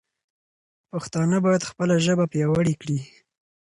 پښتانه باید خپله ژبه پیاوړې کړي.